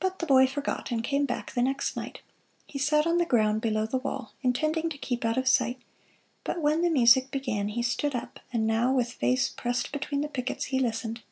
But the boy forgot and came back the next night. He sat on the ground below the wall, intending to keep out of sight; but when the music began he stood up, and now, with face pressed between the pickets, he listened.